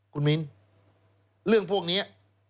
คุณมิ้นเรื่องพวกนี้